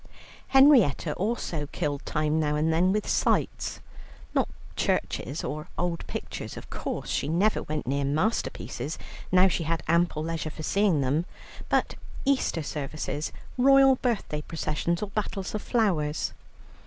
Henrietta also killed time now and then with sights; not churches or old pictures, of course she never went near masterpieces now she had ample leisure for seeing them, but Easter services, royal birthday processions, or battles of flowers.